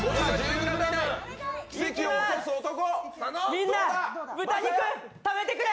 みんな、豚肉食べてくれ！